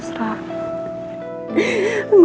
udah kena sih